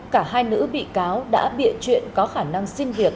cả hai nữ bị cáo đã bịa chuyện có khả năng xin việc